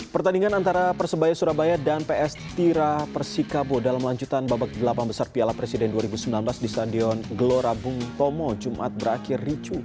pertandingan antara persebaya surabaya dan ps tira persikabo dalam lanjutan babak delapan besar piala presiden dua ribu sembilan belas di stadion gelora bung tomo jumat berakhir ricu